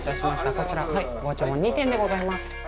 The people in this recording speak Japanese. こちら２点でございます。